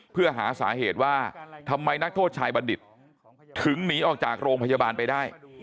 เพื่อหาสาเหตุว่าทำไมนักโทษชายบัณฑิตถึงหนีออกจากโรงพยาบาลไปได้